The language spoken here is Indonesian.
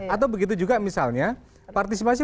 atau begitu juga misalnya partisipasi